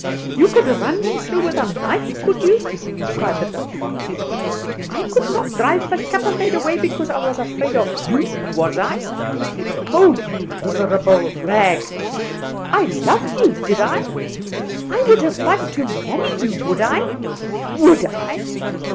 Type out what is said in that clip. You could run me through with a knife, could you?" cried the Dutchwoman. "I could not drive the Kaffer maid away because I was afraid of you, was I? Oh, you miserable rag! I loved you, did I? I would have liked to marry you, would I? would I?